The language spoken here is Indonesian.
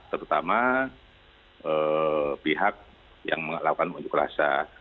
terutama pihak yang melakukan unjuk rasa